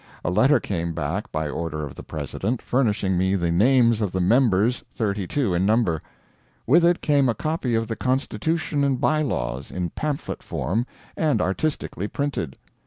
A letter came back, by order of the President, furnishing me the names of the members thirty two in number. With it came a copy of the Constitution and By Laws, in pamphlet form, and artistically printed.